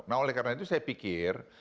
nah oleh karena itu saya pikir